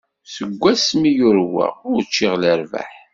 Seg wasmi i yurweɣ, ur ččiɣ lerbaḥ.